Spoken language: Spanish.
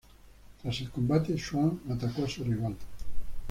Tras el combate, Swann atacó a su rival.